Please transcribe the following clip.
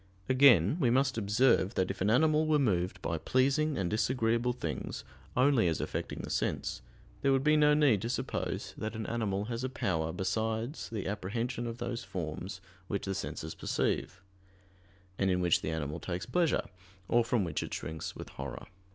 Again we must observe that if an animal were moved by pleasing and disagreeable things only as affecting the sense, there would be no need to suppose that an animal has a power besides the apprehension of those forms which the senses perceive, and in which the animal takes pleasure, or from which it shrinks with horror.